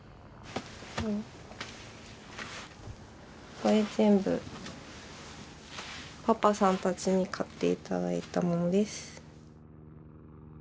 これ全部パパさんたちに買って頂いたものです。